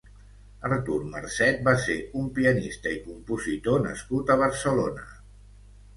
Artur Marcet va ser un pianista i compositor nascut a Barcelona.